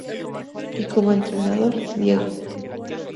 Y como entrenador Diego.